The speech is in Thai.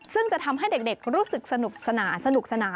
ซึ่งจะทำให้เด็กรู้สึกสนุกสนา